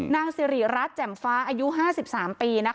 นางซิริรัสแจ่มฟ้าอายุห้าสิบสามปีนะคะ